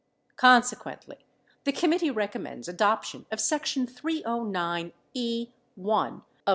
Consequently, the committee recommends adoption of section 309 (e)(1) of S.